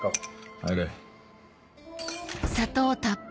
・入れ。